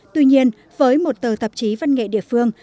tuy nhiên với một tờ tạp chí văn nghệ địa phương